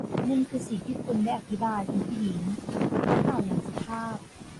นั่นคือสิ่งที่คุณได้อธิบาย คุณผู้หญิง เขากล่าวอย่างสุภาพ